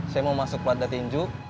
saya mau masuk wadah tinjuk